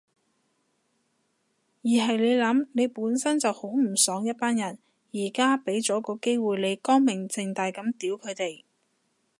而係你諗，你本身就好唔爽一班人，而家畀咗個機會你光明正大噉屌佢哋